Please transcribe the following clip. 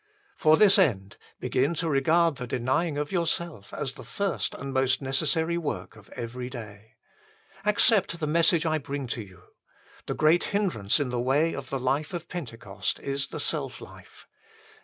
For this end, begin to regard the denying of yourself as the first and most necessary work of every day. Accept the message I bring you. The great hindrance in the way of the life of Pentecost is the self life.